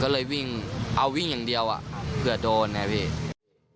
ก็เลยวิ่งเอาวิ่งอย่างเดียวอ่ะเผื่อโดนไงพี่